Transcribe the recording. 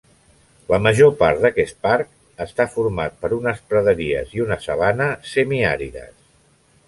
La major part d'aquest parc està format per unes praderies i una sabana semiàrides.